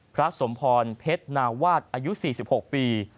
พระสมพรเพชรนาวาสอายุ๔๖ปี